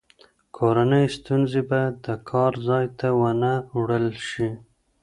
کورنۍ ستونزې باید د کار ځای ته ونه وړل شي.